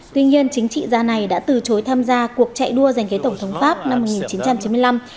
tuy nhiên chính trị gia này đã từ chối tham gia cuộc chạy đua giành ghế tổng thống pháp năm một nghìn chín trăm chín mươi năm